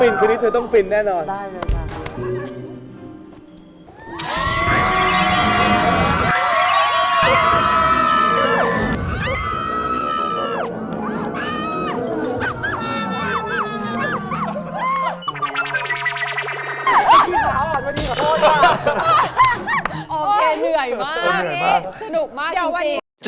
โอเคโอเคโอเค